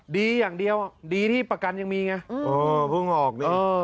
ดีอย่างเดียวดีที่ประกันยังมีไงเพิ่งออกดิ